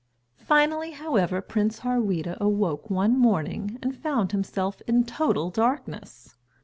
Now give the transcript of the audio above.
Finally, however, Prince Harweda awoke one morning and found himself in total darkness.